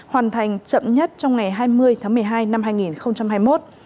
hoàn thành chậm nhất trong ngày hai mươi tháng một mươi hai năm hai nghìn hai mươi một